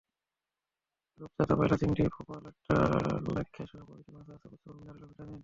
রূপচাঁদা, বাইলা, চিংড়ি, ফোঁপা, লইট্টা ও লাইখ্যাসহ প্রভৃতি মাছে আছে প্রচুর মিনারেল ও ভিটামিন।